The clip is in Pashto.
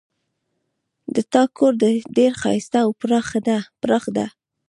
د تا کور ډېر ښایسته او پراخ ده